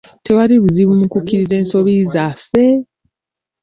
Tewali buzibu mu kukkiriza ensobi zaffe.